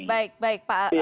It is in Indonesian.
baik baik baik